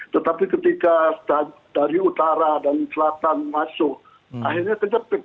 tetapi ketika dari utara dan selatan masuk akhirnya kejepit